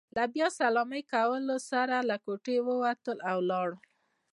له بیا سلامۍ کولو سره له کوټې ووتل، او لاړل.